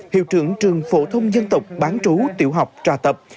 hiệu trưởng trường phổ thông dân tộc bán trú tiểu học trà tập